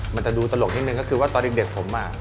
มันจะดูตลกนิดนึงก็คือว่าตอนเด็กผมอ่ะ